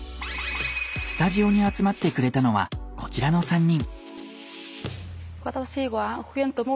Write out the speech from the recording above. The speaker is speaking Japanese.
スタジオに集まってくれたのはこちらの３人。